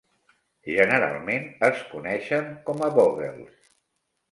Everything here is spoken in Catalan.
Generalment es coneixen com a "Vogels".